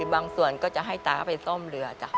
บางส่วนก็จะให้ตาไปซ่อมเรือจ้ะ